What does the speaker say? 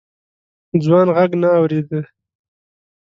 ځوان غږ نه اورېده.